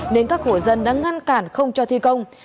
nên các hộ dân đã ngăn cản không cho thi công